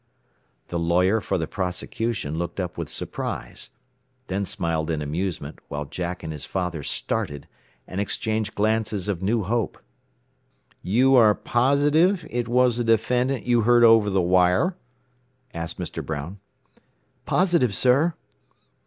The lawyer for the prosecution looked up with surprise, then smiled in amusement, while Jack and his father started, and exchanged glances of new hope. "You are positive it was the defendant you heard over the wire?" asked Mr. Brown. "Positive, sir."